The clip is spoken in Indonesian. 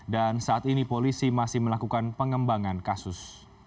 dan saat ini polisi masih melakukan pengembangan kasus